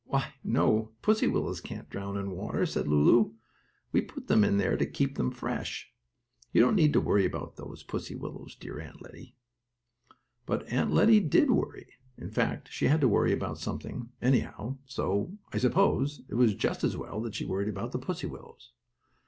"Why, no; pussy willows can't drown in water," said Lulu. "We put them there to keep them fresh. You don't need to worry about those pussy willows, dear Aunt Lettie." But Aunt Lettie did worry. In fact she had to worry about something, anyhow, so I suppose it is just as well that she worried about the pussy willows.